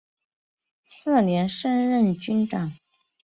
次年升任军长。